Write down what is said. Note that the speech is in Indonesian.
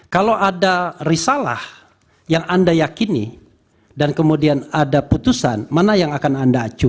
kalau ada risalah yang anda yakini dan kemudian ada putusan mana yang akan anda acu